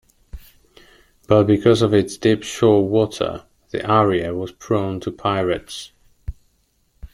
But because of its deep shore water, the area was prone to pirates.